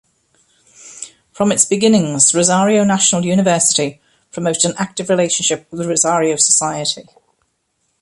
From its beginnings Rosario National University promoted an active relationship with Rosario society.